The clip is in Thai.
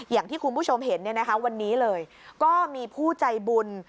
อย่างที่คุณผู้ชมเห็นเนี่ยนะคะวันนี้เลยก็มีผู้ใจบุญ